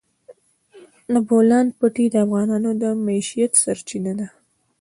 د بولان پټي د افغانانو د معیشت سرچینه ده.